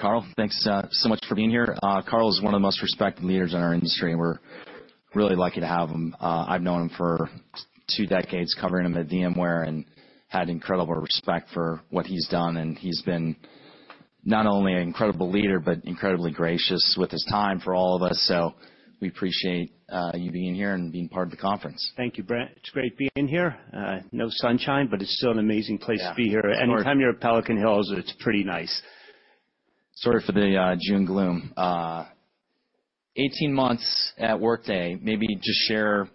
Carl, thanks so much for being here. Carl is one of the most respected leaders in our industry, and we're really lucky to have him. I've known him for two decades, covering him at VMware, and had incredible respect for what he's done, and he's been not only an incredible leader, but incredibly gracious with his time for all of us. So we appreciate you being here and being part of the conference. Thank you, Brent. It's great being here. No sunshine, but it's still an amazing place- Yeah. to be here. Anytime you're at Pelican Hill, it's pretty nice. Sorry for the June gloom. 18 months at Workday, maybe just share,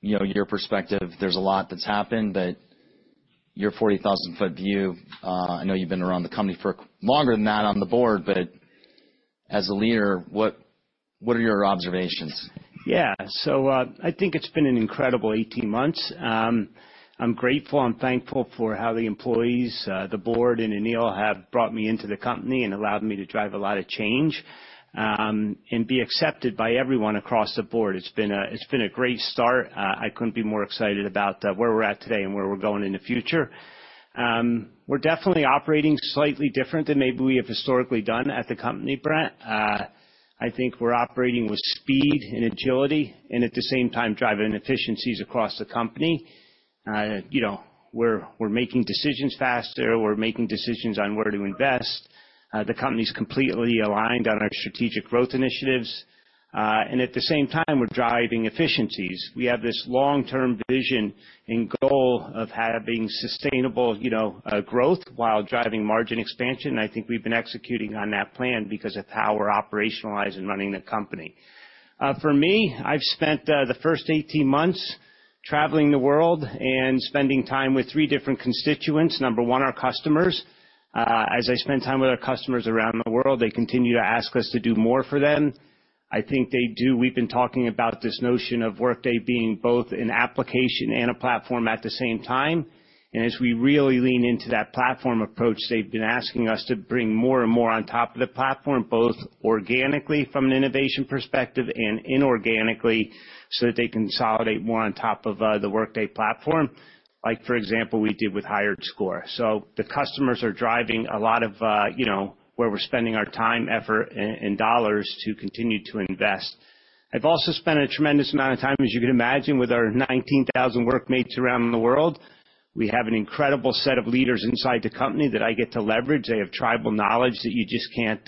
you know, your perspective. There's a lot that's happened, but your 40,000-foot view. I know you've been around the company for longer than that on the board, but as a leader, what are your observations? Yeah. So, I think it's been an incredible 18 months. I'm grateful and thankful for how the employees, the board, and Aneel have brought me into the company and allowed me to drive a lot of change, and be accepted by everyone across the board. It's been a great start. I couldn't be more excited about where we're at today and where we're going in the future. We're definitely operating slightly different than maybe we have historically done at the company, Brent. I think we're operating with speed and agility, and at the same time, driving efficiencies across the company. You know, we're making decisions faster. We're making decisions on where to invest. The company's completely aligned on our strategic growth initiatives, and at the same time, we're driving efficiencies. We have this long-term vision and goal of having sustainable, you know, growth while driving margin expansion, and I think we've been executing on that plan because of how we're operationalizing running the company. For me, I've spent the first 18 months traveling the world and spending time with three different constituents. Number one, our customers. As I spend time with our customers around the world, they continue to ask us to do more for them. I think they do... We've been talking about this notion of Workday being both an application and a platform at the same time, and as we really lean into that platform approach, they've been asking us to bring more and more on top of the platform, both organically from an innovation perspective and inorganically, so that they consolidate more on top of the Workday platform, like, for example, we did with HiredScore. So the customers are driving a lot of you know, where we're spending our time, effort, and dollars to continue to invest. I've also spent a tremendous amount of time, as you can imagine, with our 19,000 workmates around the world. We have an incredible set of leaders inside the company that I get to leverage. They have tribal knowledge that you just can't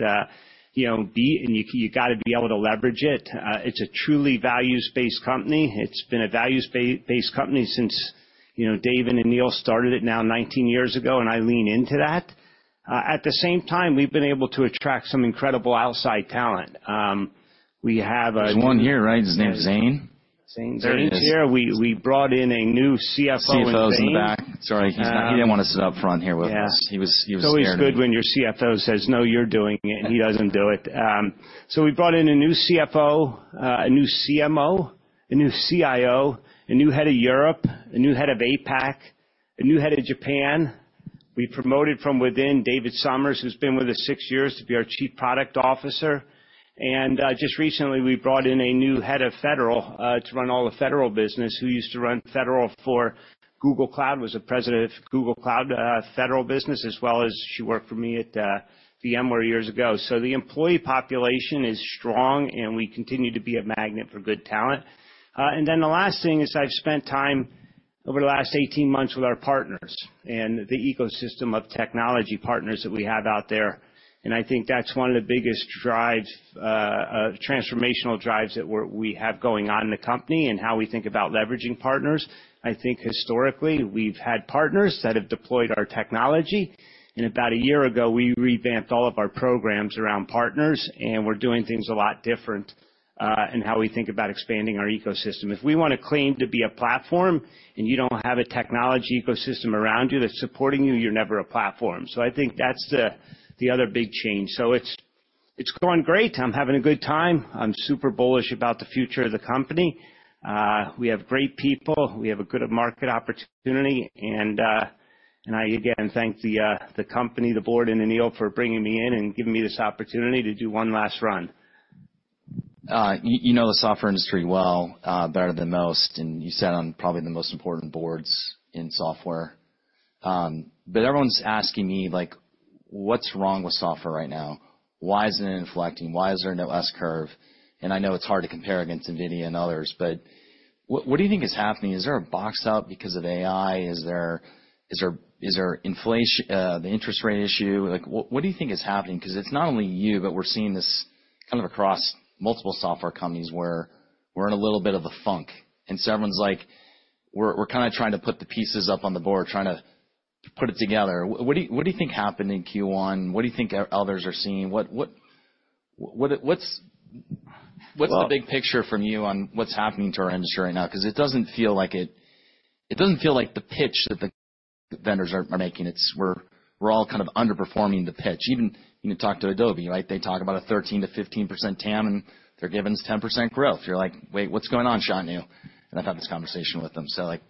you know, beat, and you gotta be able to leverage it. It's a truly values-based company. It's been a values-based company since, you know, Dave and Aneel started it now 19 years ago, and I lean into that. At the same time, we've been able to attract some incredible outside talent. We have a- There's one here, right? His name is Zane. Zane's here. We brought in a new CFO. CFO's in the back. Sorry, he's not- Uh- He didn't want to sit up front here with us. Yeah. He was, he was scared. It's always good when your CFO says: "No, you're doing it," and he doesn't do it. So we brought in a new CFO, a new CMO, a new CIO, a new head of Europe, a new head of APAC, a new head of Japan. We promoted from within, David Somers, who's been with us six years, to be our Chief Product Officer. And, just recently, we brought in a new head of federal, to run all the federal business, who used to run federal for Google Cloud, was the president of Google Cloud, federal business, as well as she worked for me at, VMware years ago. So the employee population is strong, and we continue to be a magnet for good talent. And then the last thing is, I've spent time over the last 18 months with our partners and the ecosystem of technology partners that we have out there, and I think that's one of the biggest drives, transformational drives that we're having going on in the company and how we think about leveraging partners. I think historically, we've had partners that have deployed our technology, and about a year ago, we revamped all of our programs around partners, and we're doing things a lot different in how we think about expanding our ecosystem. If we want to claim to be a platform and you don't have a technology ecosystem around you that's supporting you, you're never a platform. So I think that's the other big change. So it's going great. I'm having a good time. I'm super bullish about the future of the company. We have great people, we have a good market opportunity, and I again thank the company, the board and Aneel for bringing me in and giving me this opportunity to do one last run. You know the software industry well, better than most, and you sat on probably the most important boards in software. But everyone's asking me, like: What's wrong with software right now? Why isn't it inflecting? Why is there no S-curve? And I know it's hard to compare against NVIDIA and others, but what do you think is happening? Is there a slowdown because of AI? Is there inflation, the interest rate issue? Like, what do you think is happening? 'Cause it's not only you, but we're seeing this kind of across multiple software companies, where we're in a little bit of a funk, and so everyone's like... We're kind of trying to put the pieces up on the board, trying to put it together. What do you think happened in Q1? What do you think others are seeing? What’s— Well- What's the big picture from you on what's happening to our industry right now? 'Cause it doesn't feel like it... It doesn't feel like the pitch that the vendors are, are making. It's we're, we're all kind of underperforming the pitch. Even, you know, talk to Adobe, right? They talk about a 13%-15% TAM, and they're giving us 10% growth. You're like: Wait, what's going on, Shantanu? And I've had this conversation with them. So, like,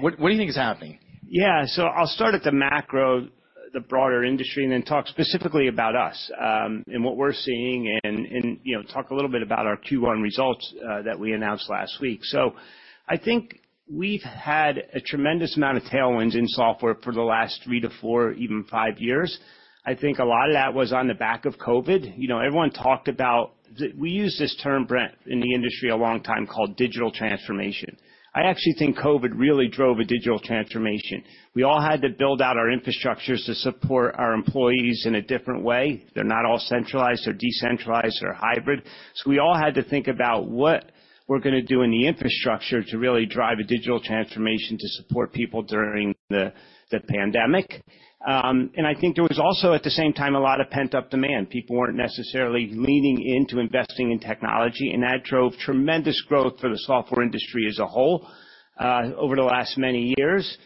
what, what do you think is happening? Yeah. So I'll start at the macro, the broader industry, and then talk specifically about us, and what we're seeing, and you know, talk a little bit about our Q1 results that we announced last week. So I think we've had a tremendous amount of tailwinds in software for the last three to four, even five years. I think a lot of that was on the back of COVID. You know, everyone talked about, we use this term, Brent, in the industry a long time, called digital transformation. I actually think COVID really drove a digital transformation. We all had to build out our infrastructures to support our employees in a different way. They're not all centralized, they're decentralized or hybrid. So we all had to think about what we're going to do in the infrastructure to really drive a digital transformation to support people during the pandemic. And I think there was also, at the same time, a lot of pent-up demand. People weren't necessarily leaning into investing in technology, and that drove tremendous growth for the software industry as a whole, over the last many years.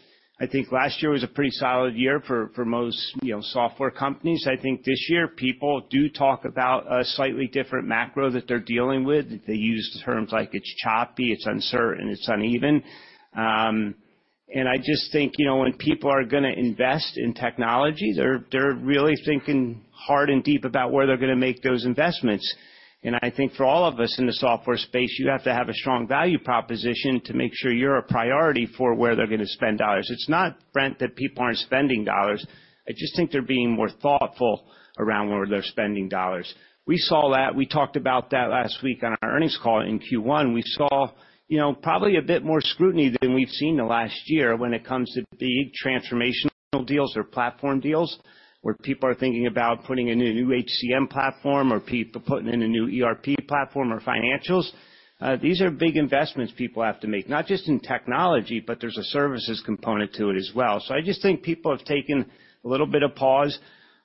I think last year was a pretty solid year for most, you know, software companies. I think this year, people do talk about a slightly different macro that they're dealing with. They use terms like, it's choppy, it's uncertain, it's uneven. And I just think, you know, when people are going to invest in technology, they're really thinking hard and deep about where they're going to make those investments. I think for all of us in the software space, you have to have a strong value proposition to make sure you're a priority for where they're going to spend dollars. It's not, Brent, that people aren't spending dollars, I just think they're being more thoughtful around where they're spending dollars. We saw that. We talked about that last week on our earnings call in Q1. We saw, you know, probably a bit more scrutiny than we've seen in the last year when it comes to big transformational deals or platform deals, where people are thinking about putting in a new HCM platform or putting in a new ERP platform or financials. These are big investments people have to make, not just in technology, but there's a services component to it as well. So I just think people have taken a little bit of pause.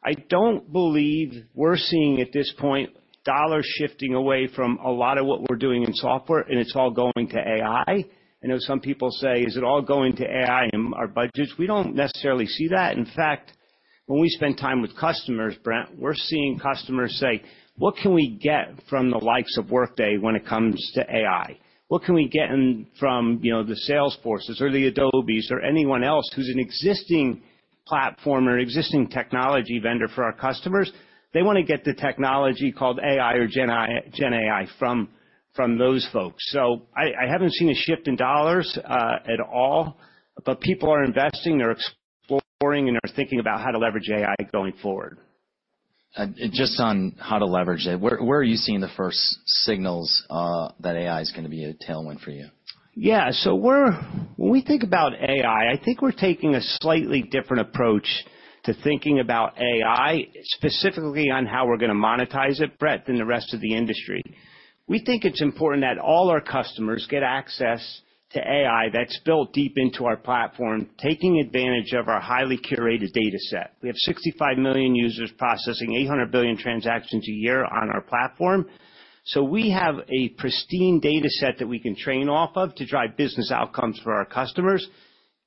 I don't believe we're seeing, at this point, dollars shifting away from a lot of what we're doing in software, and it's all going to AI. I know some people say, "Is it all going to AI in our budgets?" We don't necessarily see that. In fact, when we spend time with customers, Brent, we're seeing customers say: What can we get from the likes of Workday when it comes to AI? What can we get in from, you know, the Salesforces or the Adobes or anyone else who's an existing platform or existing technology vendor for our customers? They want to get the technology called AI or Gen AI from those folks. So I haven't seen a shift in dollars at all, but people are investing, they're exploring, and they're thinking about how to leverage AI going forward. Just on how to leverage it, where, where are you seeing the first signals, that AI is going to be a tailwind for you? Yeah. So when we think about AI, I think we're taking a slightly different approach to thinking about AI, specifically on how we're going to monetize it, Brent, than the rest of the industry. We think it's important that all our customers get access to AI that's built deep into our platform, taking advantage of our highly curated data set. We have 65 million users processing 800 billion transactions a year on our platform. So we have a pristine data set that we can train off of to drive business outcomes for our customers.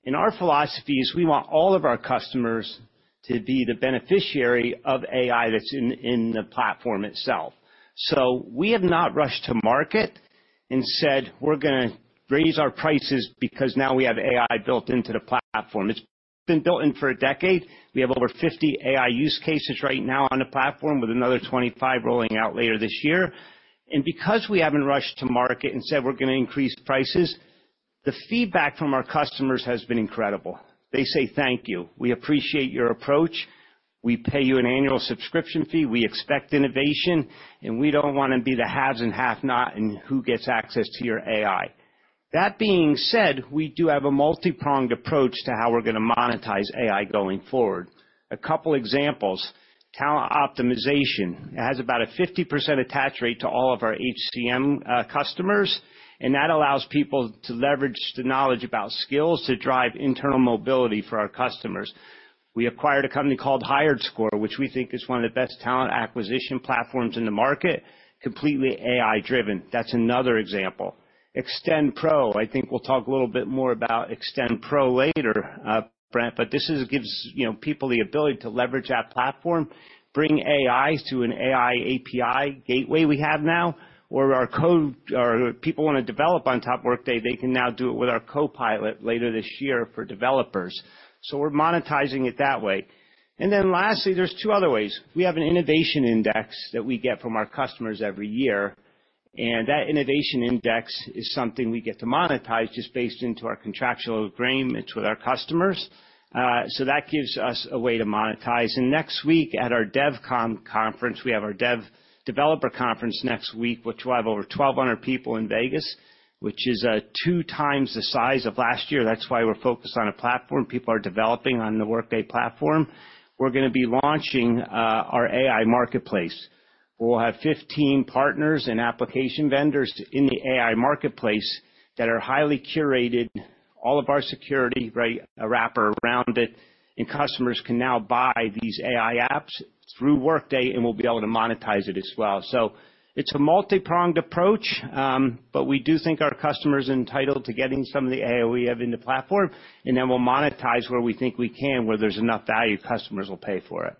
And our philosophy is we want all of our customers to be the beneficiary of AI that's in the platform itself. So we have not rushed to market and said, "We're gonna raise our prices because now we have AI built into the platform." It's been built in for a decade. We have over 50 AI use cases right now on the platform, with another 25 rolling out later this year. Because we haven't rushed to market and said we're going to increase prices, the feedback from our customers has been incredible. They say, "Thank you. We appreciate your approach. We pay you an annual subscription fee. We expect innovation, and we don't want to be the haves and have-nots in who gets access to your AI." That being said, we do have a multipronged approach to how we're going to monetize AI going forward. A couple examples, talent optimization. It has about a 50% attach rate to all of our HCM customers, and that allows people to leverage the knowledge about skills to drive internal mobility for our customers. We acquired a company called HiredScore, which we think is one of the best talent acquisition platforms in the market, completely AI-driven. That's another example. Extend Pro, I think we'll talk a little bit more about Extend Pro later, Brent, but this gives, you know, people the ability to leverage that platform, bring AI to an AI API gateway we have now, or our code... or people want to develop on top of Workday, they can now do it with our copilot later this year for developers. So we're monetizing it that way. And then lastly, there's two other ways. We have an innovation index that we get from our customers every year, and that innovation index is something we get to monetize just based into our contractual agreements with our customers. So that gives us a way to monetize. Next week, at our DevCon conference, we have our developer conference next week, which will have over 1,200 people in Vegas, which is 2x the size of last year. That's why we're focused on a platform. People are developing on the Workday platform. We're going to be launching our AI Marketplace, where we'll have 15 partners and application vendors in the AI Marketplace that are highly curated. All of our security, right, a wrapper around it, and customers can now buy these AI apps through Workday, and we'll be able to monetize it as well. So it's a multipronged approach, but we do think our customers are entitled to getting some of the AI we have in the platform, and then we'll monetize where we think we can, where there's enough value, customers will pay for it....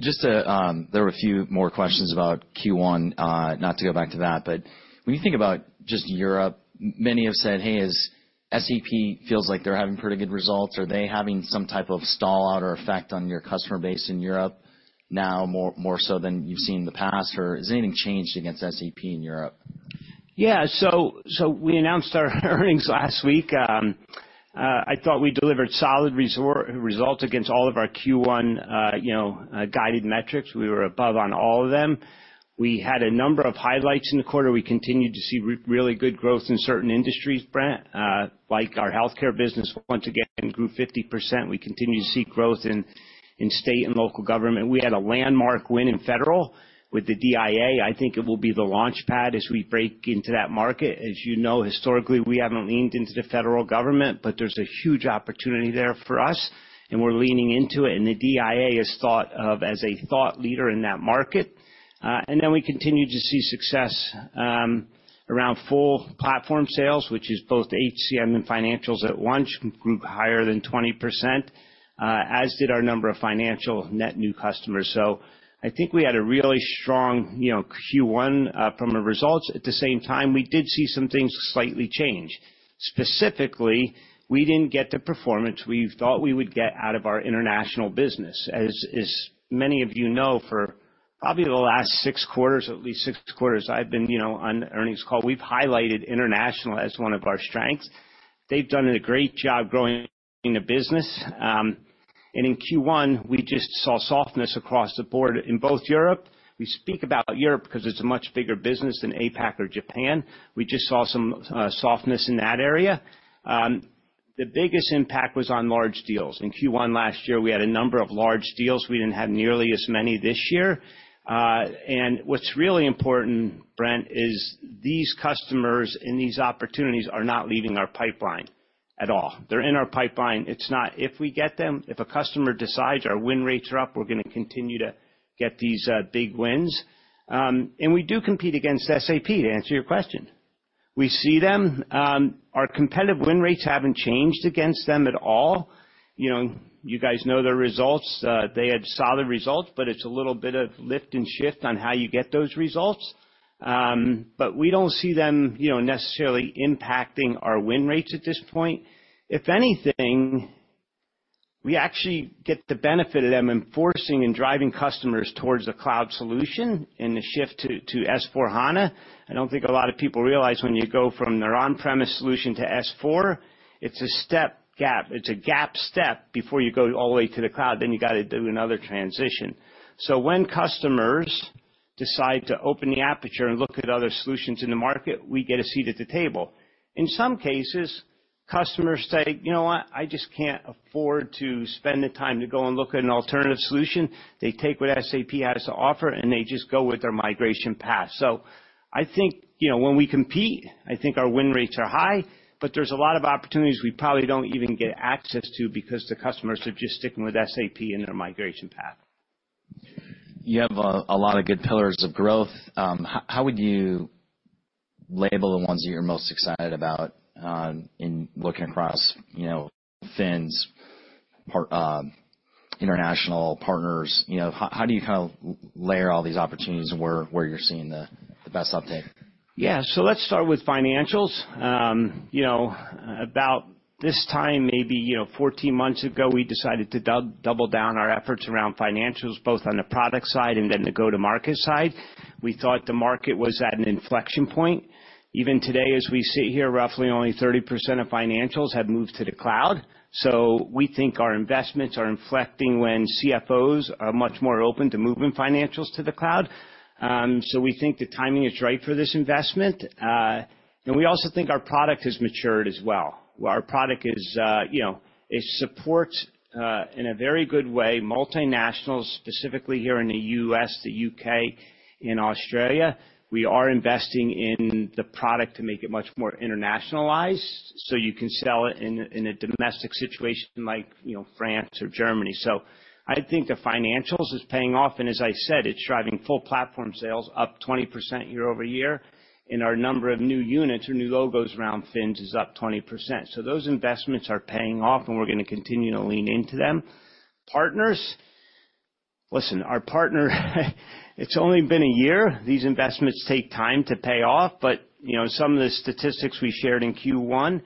Just to, there were a few more questions about Q1, not to go back to that, but when you think about just Europe, many have said, hey, as SAP feels like they're having pretty good results, are they having some type of stall-out or effect on your customer base in Europe now, more so than you've seen in the past? Or has anything changed against SAP in Europe? Yeah, so we announced our earnings last week. I thought we delivered solid results against all of our Q1, you know, guided metrics. We were above on all of them. We had a number of highlights in the quarter. We continued to see really good growth in certain industries, Brent, like our healthcare business, once again, grew 50%. We continued to see growth in state and local government. We had a landmark win in federal with the DIA. I think it will be the launchpad as we break into that market. As you know, historically, we haven't leaned into the federal government, but there's a huge opportunity there for us, and we're leaning into it, and the DIA is thought of as a thought leader in that market. And then we continued to see success around full platform sales, which is both HCM and financials at once, grew higher than 20%, as did our number of financial net new customers. So I think we had a really strong, you know, Q1 from the results. At the same time, we did see some things slightly change. Specifically, we didn't get the performance we thought we would get out of our international business. As many of you know, for probably the last six quarters, at least six quarters I've been, you know, on the earnings call, we've highlighted international as one of our strengths. They've done a great job growing the business. And in Q1, we just saw softness across the board in both Europe... We speak about Europe because it's a much bigger business than APAC or Japan. We just saw some softness in that area. The biggest impact was on large deals. In Q1 last year, we had a number of large deals. We didn't have nearly as many this year. And what's really important, Brent, is these customers and these opportunities are not leaving our pipeline at all. They're in our pipeline. It's not if we get them. If a customer decides, our win rates are up, we're gonna continue to get these big wins. And we do compete against SAP, to answer your question. We see them. Our competitive win rates haven't changed against them at all. You know, you guys know their results. They had solid results, but it's a little bit of lift and shift on how you get those results. But we don't see them, you know, necessarily impacting our win rates at this point. If anything, we actually get the benefit of them enforcing and driving customers towards a cloud solution and the shift to S/4HANA. I don't think a lot of people realize when you go from their on-premise solution to S/4, it's a step gap. It's a gap step before you go all the way to the cloud, then you got to do another transition. So when customers decide to open the aperture and look at other solutions in the market, we get a seat at the table. In some cases, customers say, "You know what? I just can't afford to spend the time to go and look at an alternative solution." They take what SAP has to offer, and they just go with their migration path. I think, you know, when we compete, I think our win rates are high, but there's a lot of opportunities we probably don't even get access to because the customers are just sticking with SAP in their migration path. You have a lot of good pillars of growth. How would you label the ones that you're most excited about in looking across, you know, FINS, partners, international? You know, how do you kind of layer all these opportunities and where you're seeing the best uptake? Yeah, so let's start with financials. You know, about this time, maybe, you know, 14 months ago, we decided to double down our efforts around financials, both on the product side and then the go-to-market side. We thought the market was at an inflection point. Even today, as we sit here, roughly only 30% of financials have moved to the cloud. So we think our investments are inflecting when CFOs are much more open to moving financials to the cloud. So we think the timing is right for this investment, and we also think our product has matured as well. Our product is, you know, it supports, in a very good way, multinationals, specifically here in the U.S., the U.K., and Australia. We are investing in the product to make it much more internationalized, so you can sell it in a, in a domestic situation like, you know, France or Germany. So I think the financials is paying off, and as I said, it's driving full platform sales up 20% year-over-year. In our number of new units or new logos around FINS is up 20%. So those investments are paying off, and we're gonna continue to lean into them. Partners, listen, our partner, it's only been a year. These investments take time to pay off, but, you know, some of the statistics we shared in Q1,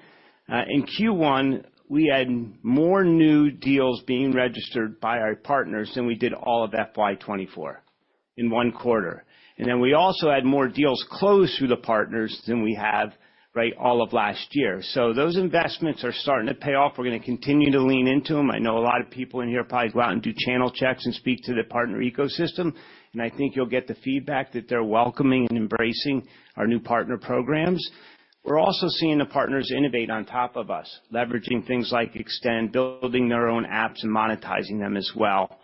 in Q1, we had more new deals being registered by our partners than we did all of FY 2024, in one quarter. And then we also had more deals closed through the partners than we have, right, all of last year. So those investments are starting to pay off. We're gonna continue to lean into them. I know a lot of people in here probably go out and do channel checks and speak to the partner ecosystem, and I think you'll get the feedback that they're welcoming and embracing our new partner programs. We're also seeing the partners innovate on top of us, leveraging things like extend, building their own apps and monetizing them as well.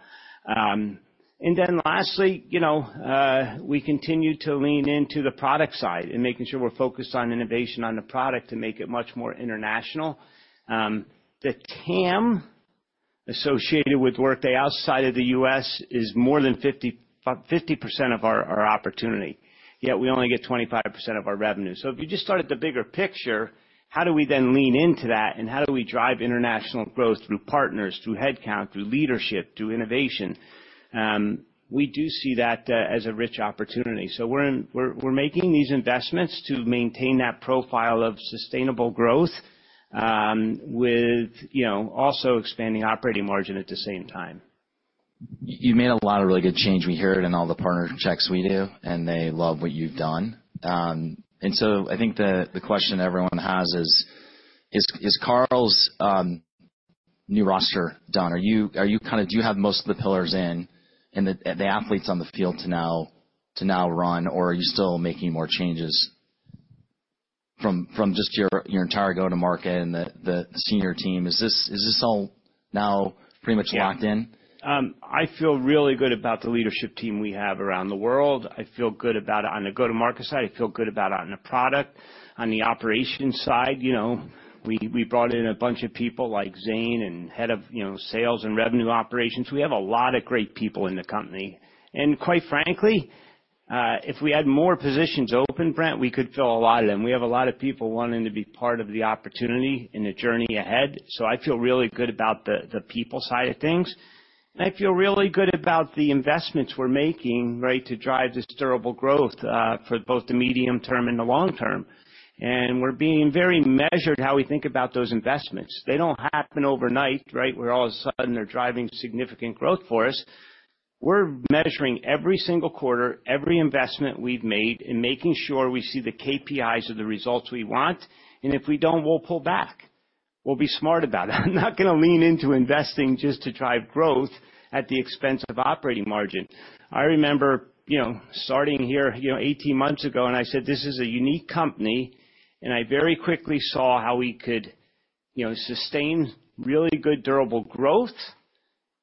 And then lastly, you know, we continue to lean into the product side and making sure we're focused on innovation on the product to make it much more international. The TAM associated with Workday outside of the U.S. is more than 50, about 50% of our opportunity, yet we only get 25% of our revenue. So if you just start at the bigger picture, how do we then lean into that, and how do we drive international growth through partners, through headcount, through leadership, through innovation? We do see that as a rich opportunity. So we're making these investments to maintain that profile of sustainable growth, with, you know, also expanding operating margin at the same time. You made a lot of really good change. We hear it in all the partner checks we do, and they love what you've done. And so I think the question everyone has is: Is Carl's new roster done? Do you have most of the pillars in and the athletes on the field to now run, or are you still making more changes from just your entire go-to-market and the senior team? Is this all now pretty much locked in? I feel really good about the leadership team we have around the world. I feel good about it on the go-to-market side, I feel good about it on the product. On the operations side, you know, we brought in a bunch of people like Zane and Head of, you know, Sales and Revenue Operations. We have a lot of great people in the company, and quite frankly, if we had more positions open, Brent, we could fill a lot of them. We have a lot of people wanting to be part of the opportunity in the journey ahead, so I feel really good about the people side of things. I feel really good about the investments we're making, right, to drive this durable growth, for both the medium term and the long term. We're being very measured how we think about those investments. They don't happen overnight, right? Where all of a sudden, they're driving significant growth for us. We're measuring every single quarter, every investment we've made, and making sure we see the KPIs of the results we want, and if we don't, we'll pull back. We'll be smart about it. I'm not gonna lean into investing just to drive growth at the expense of operating margin. I remember, you know, starting here, you know, 18 months ago, and I said, "This is a unique company." And I very quickly saw how we could, you know, sustain really good, durable growth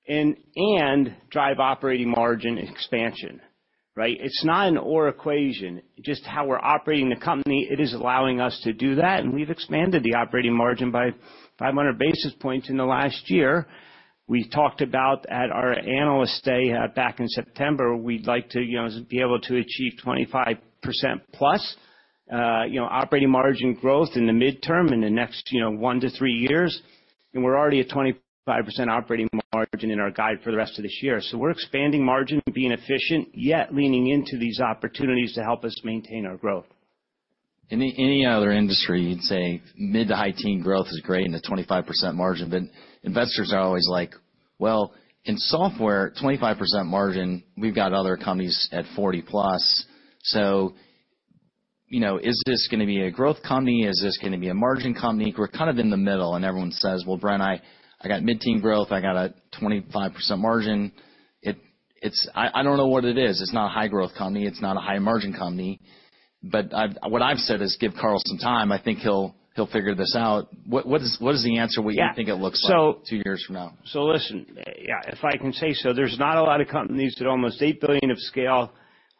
and, and drive operating margin expansion, right? It's not an or equation, just how we're operating the company, it is allowing us to do that, and we've expanded the operating margin by 500 basis points in the last year. We talked about at our Analyst Day back in September, we'd like to, you know, be able to achieve 25%+ operating margin growth in the midterm, in the next one to three years. And we're already at 25% operating margin in our guide for the rest of this year. So we're expanding margin, being efficient, yet leaning into these opportunities to help us maintain our growth. In any other industry, you'd say mid- to high-teen growth is great and a 25% margin, but investors are always like: Well, in software, 25% margin, we've got other companies at 40+, so, you know, is this gonna be a growth company? Is this gonna be a margin company? We're kind of in the middle, and everyone says, "Well, Brent, I got mid-teen growth, I got a 25% margin." It's -- I don't know what it is. It's not a high-growth company, it's not a high-margin company. But I've... What I've said is, "Give Carl some time, I think he'll figure this out." What is the answer? What do you think it looks like two years from now? So listen, yeah, if I can say so, there's not a lot of companies at almost $8 billion of scale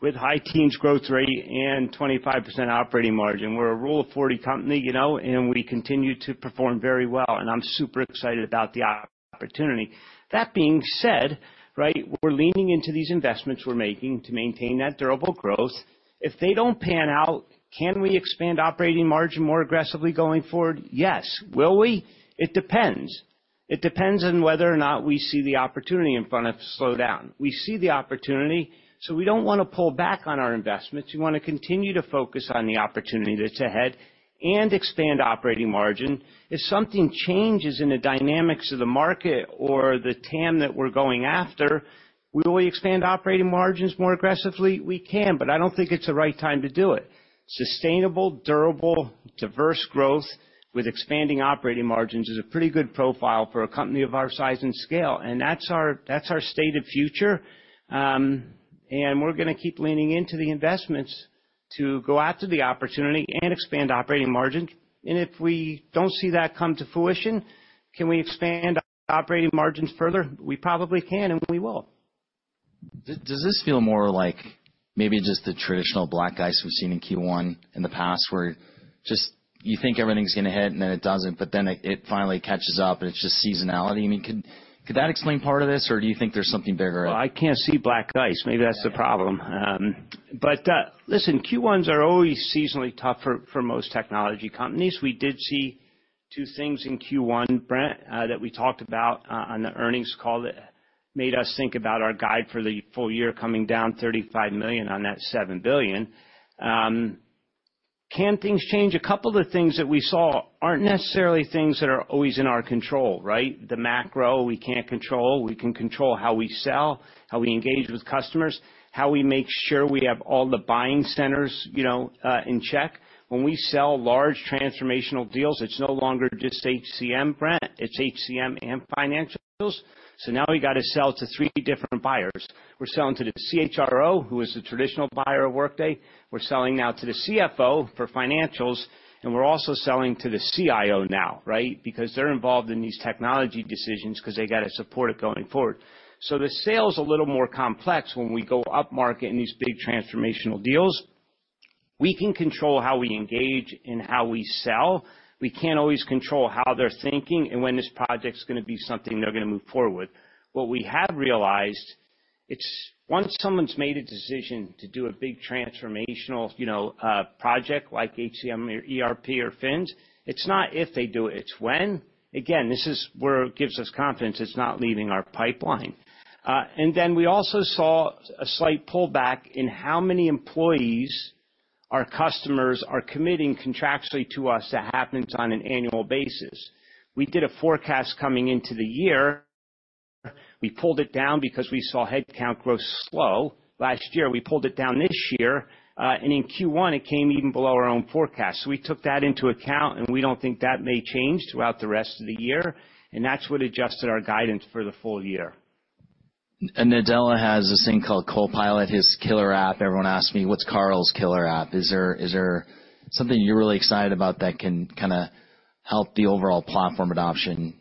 with high-teens growth rate and 25% operating margin. We're a Rule of 40 company, you know, and we continue to perform very well, and I'm super excited about the opportunity. That being said, right, we're leaning into these investments we're making to maintain that durable growth. If they don't pan out, can we expand operating margin more aggressively going forward? Yes. Will we? It depends. It depends on whether or not we see the opportunity in front of slow down. We see the opportunity, so we don't wanna pull back on our investments. We wanna continue to focus on the opportunity that's ahead and expand operating margin. If something changes in the dynamics of the market or the TAM that we're going after, would we expand operating margins more aggressively? We can, but I don't think it's the right time to do it. Sustainable, durable, diverse growth with expanding operating margins is a pretty good profile for a company of our size and scale, and that's our, that's our state of future. And we're gonna keep leaning into the investments to go after the opportunity and expand operating margin. And if we don't see that come to fruition, can we expand operating margins further? We probably can, and we will. Does this feel more like maybe just the traditional black ice we've seen in Q1 in the past, where just you think everything's gonna hit and then it doesn't, but then it finally catches up, and it's just seasonality? I mean, could that explain part of this, or do you think there's something bigger? Well, I can't see black ice. Maybe that's the problem. But listen, Q1s are always seasonally tough for most technology companies. We did see two things in Q1, Brent, that we talked about on the earnings call that made us think about our guide for the full year coming down $35 million on that $7 billion. Can things change? A couple of the things that we saw aren't necessarily things that are always in our control, right? The macro, we can't control. We can control how we sell, how we engage with customers, how we make sure we have all the buying centers, you know, in check. When we sell large transformational deals, it's no longer just HCM, Brent, it's HCM and financials. So now we gotta sell to three different buyers. We're selling to the CHRO, who is the traditional buyer of Workday, we're selling now to the CFO for financials, and we're also selling to the CIO now, right? Because they're involved in these technology decisions 'cause they gotta support it going forward. So the sale's a little more complex when we go upmarket in these big transformational deals. We can control how we engage and how we sell. We can't always control how they're thinking and when this project's gonna be something they're gonna move forward with. What we have realized, it's once someone's made a decision to do a big transformational, you know, project like HCM or ERP or FINS, it's not if they do it, it's when. Again, this is where it gives us confidence it's not leaving our pipeline. And then we also saw a slight pullback in how many employees our customers are committing contractually to us to happen on an annual basis. We did a forecast coming into the year. We pulled it down because we saw headcount growth slow last year. We pulled it down this year, and in Q1, it came even below our own forecast. So we took that into account, and we don't think that may change throughout the rest of the year, and that's what adjusted our guidance for the full year. Nadella has this thing called Copilot, his killer app. Everyone asks me, "What's Carl's killer app?" Is there something you're really excited about that can kinda help the overall platform adoption?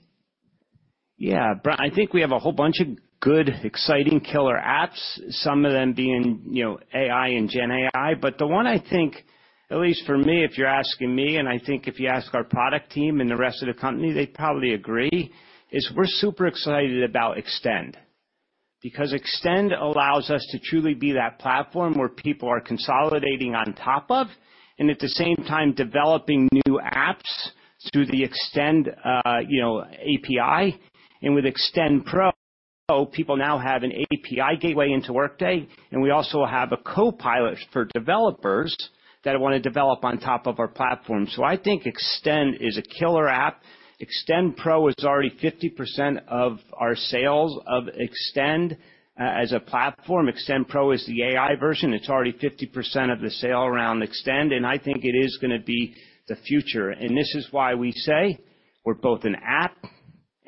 Yeah, Brian, I think we have a whole bunch of good, exciting killer apps, some of them being, you know, AI and GenAI. But the one I think, at least for me, if you're asking me, and I think if you ask our product team and the rest of the company, they'd probably agree, is we're super excited about Extend. Because Extend allows us to truly be that platform where people are consolidating on top of, and at the same time, developing new apps through the Extend, you know, API. And with Extend Pro, people now have an API gateway into Workday, and we also have a copilot for developers that want to develop on top of our platform. So I think Extend is a killer app. Extend Pro is already 50% of our sales of Extend, as a platform. Extend Pro is the AI version. It's already 50% of the sale around Extend, and I think it is gonna be the future. And this is why we say we're both an app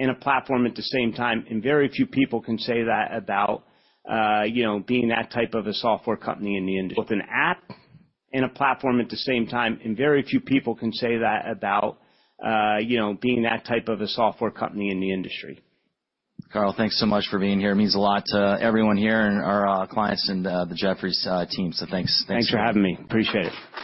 and a platform at the same time, and very few people can say that about, you know, being that type of a software company in the industry. Both an app and a platform at the same time, and very few people can say that about, you know, being that type of a software company in the industry. Carl, thanks so much for being here. It means a lot to everyone here and our clients and the Jefferies team. So thanks again. Thanks for having me. Appreciate it.